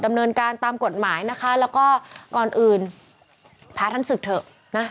ดำเนินการตามกฎหมายนะคะแล้วก็ก่อนอื่นพาท่านศึกเถอะนะ